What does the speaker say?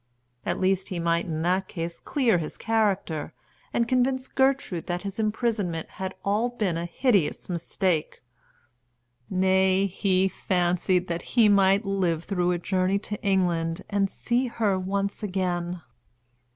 At least he might in that case clear his character, and convince Gertrude that his imprisonment had been all a hideous mistake; nay, he fancied that he might live through a journey to England and see her once again.